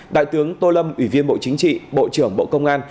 đại tướng tô lâm ủy viên bộ chính trị bộ trưởng bộ công an